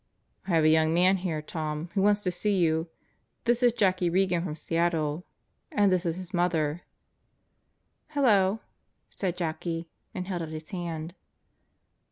"I have a young man here, Tom, who wants to see you. This is Jackie Regan from Seattle. And this is his mother." "Hello," said Jackie, and held out his hand.